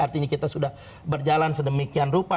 artinya kita sudah berjalan sedemikian rupa